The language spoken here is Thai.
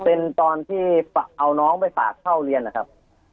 เป็นตอนที่เอาน้องไปฝากเข้าเรียนนะครับ